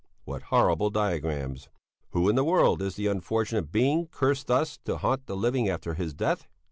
What horrible diagrams! "Who in the world is the unfortunate being cursed thus to haunt the living after his death?"